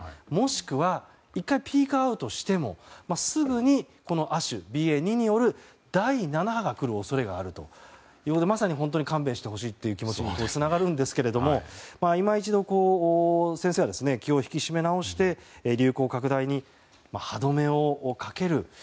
もしくは１回ピークアウトしてもすぐにこの亜種、ＢＡ．２による第７波が来る恐れがあるということでまさに本当に勘弁してほしい気持ちにつながるんですけど先生は今一度、気を引き締め直して流行拡大に歯止めをかける。